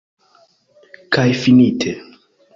Kaj finite.